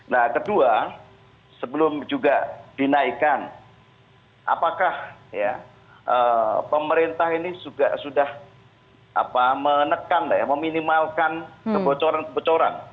nah kedua sebelum juga dinaikkan apakah pemerintah ini juga sudah menekan meminimalkan kebocoran kebocoran